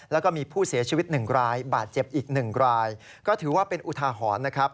แล้วก็มีผู้เสียชีวิต๑รายบาดเจ็บอีก๑รายก็ถือว่าเป็นอุทาหรณ์นะครับ